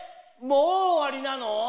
もう終わりなの？